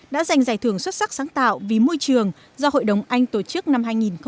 đã giành giải thưởng xuất sắc sáng tạo vì môi trường do hội đồng anh tổ chức năm hai nghìn một mươi chín